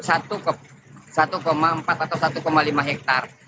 satu empat atau satu lima hektare